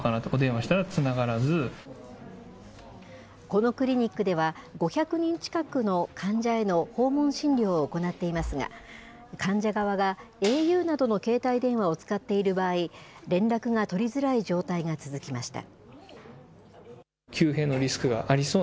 このクリニックでは、５００人近くの患者への訪問診療を行っていますが、患者側がａｕなどの携帯電話を使っている場合、連絡が取りづらい状態が続きました。